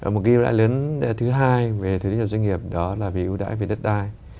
một cái ưu đãi lớn thứ hai về thuế thu nhập doanh nghiệp đó là về ưu đãi về đất đai